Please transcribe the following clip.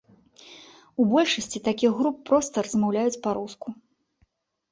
У большасці такіх груп проста размаўляюць па-руску.